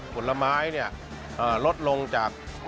ผลไม้ลดลงจากมากกว่าทุกปี